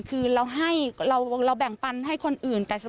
คือเราให้เราแบ่งปันให้คนอื่นแต่เสมอ